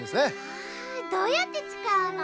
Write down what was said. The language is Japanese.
わあどうやってつかうの？